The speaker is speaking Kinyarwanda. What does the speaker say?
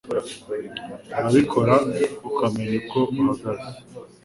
urabikora ukamenya uko uhagaze